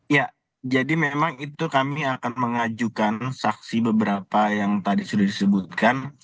ya jadi memang itu kami akan mengajukan saksi beberapa yang tadi sudah disebutkan